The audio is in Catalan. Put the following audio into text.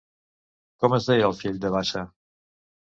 Com es deia el fill de Bassa?